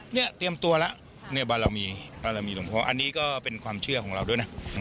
เนี่ยเตรียมตัวแล้วเนี่ยบารมีบารมีหลวงพ่ออันนี้ก็เป็นความเชื่อของเราด้วยนะ